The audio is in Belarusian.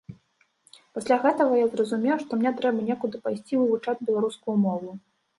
Пасля гэтага я зразумеў, што мне трэба некуды пайсці вывучаць беларускую мову.